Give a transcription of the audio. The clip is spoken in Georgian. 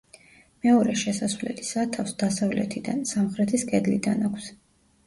მეორე შესასვლელი სათავსს დასავლეთიდან, სამხრეთის კედლიდან აქვს.